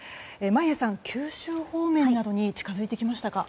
眞家さん、九州方面などに近づいてきましたか。